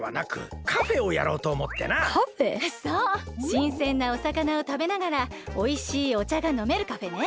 しんせんなおさかなをたべながらおいしいおちゃがのめるカフェね。